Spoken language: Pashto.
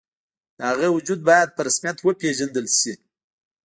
د هغه وجود باید په رسمیت وپېژندل شي.